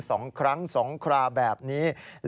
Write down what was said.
ดิฉันชอบเก้าอี้มหาศจรรย์และกระจกร้านของฉัน